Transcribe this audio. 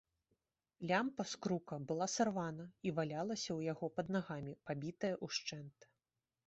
Лямпа з крука была сарвана і валялася ў яго пад нагамі, пабітая ўшчэнт.